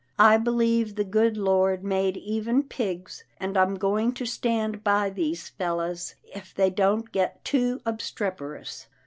I believe the good Lord made even pigs, and I'm going to stand by these fellows, if they don't get too obstreperous.